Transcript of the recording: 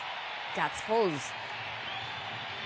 ガッツポーズ！